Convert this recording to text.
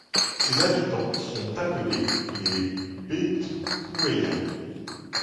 Ses habitants sont appelés les Betpoueyens.